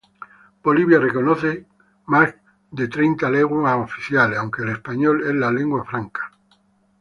Bolivia reconoce más que treinta lenguas oficiales, aunque el español es la lengua franca.